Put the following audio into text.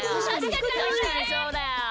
たしかにそうだよ！